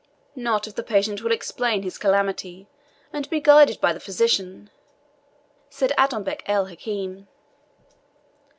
"Not if the patient will explain his calamity, and be guided by the physician," said Adonbec el Hakim.